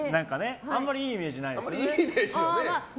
あまりいいイメージないですよね。